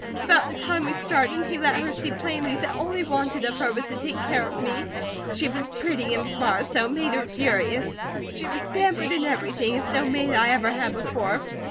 About the time we started, he let her see plainly that all he wanted of her was to take care of me; she was pretty and smart, so it made her furious. She was pampered in everything, as no maid I ever had before.